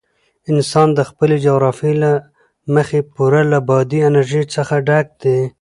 افغانستان د خپلې جغرافیې له مخې پوره له بادي انرژي څخه ډک دی.